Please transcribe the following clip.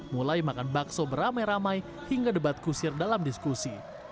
mulai makan bakso beramai ramai hingga debat kusir dalam diskusi